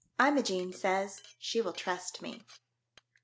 IMOGENE SAYS SHE WILL TRUST ME.